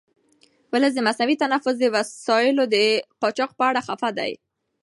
ولس د مصنوعي تنفس د وسایلو د قاچاق په اړه خفه دی.